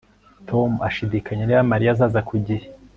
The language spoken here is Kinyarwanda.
Tom ashidikanya niba Mariya azaza ku gihe